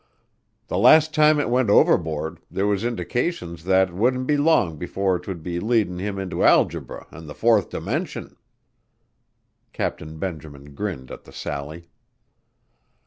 The last time it went overboard there was indications that 'twouldn't be long before 'twould be leadin' him into algebra an' the fourth dimension." Captain Benjamin grinned at the sally.